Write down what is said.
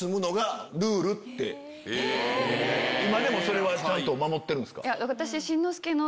今でもそれはちゃんと守ってるんですか？